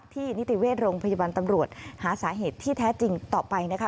นิติเวชโรงพยาบาลตำรวจหาสาเหตุที่แท้จริงต่อไปนะคะ